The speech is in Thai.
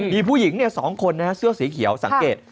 มีผู้หญิง๒คนเสื้อสีเขียวสังเกต